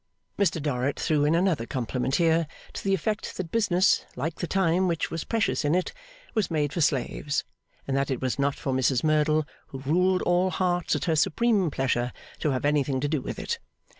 Mr Dorrit threw in another compliment here, to the effect that business, like the time which was precious in it, was made for slaves; and that it was not for Mrs Merdle, who ruled all hearts at her supreme pleasure, to have anything to do with it.